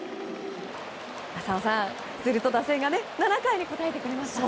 浅尾さん、すると打線が７回に応えてくれました。